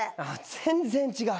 全然違う。